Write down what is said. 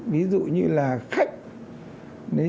ví dụ như là khách khách khách khách